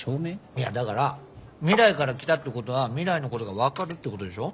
いやだから未来から来たってことは未来のことが分かるってことでしょ？